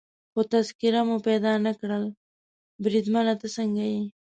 خو تذکیره مو پیدا نه کړل، بریدمنه ته څنګه یې؟